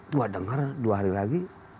dua dengar dua hari lagi